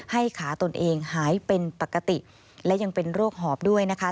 ขาตนเองหายเป็นปกติและยังเป็นโรคหอบด้วยนะคะ